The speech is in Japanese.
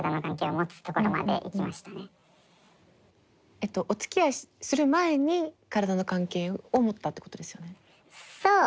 えっとおつきあいする前に体の関係を持ったってことですよね？